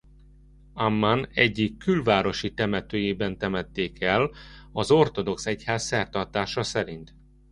Amman egyik külvárosi temetőjében temették el az ortodox egyház szertartása szerint.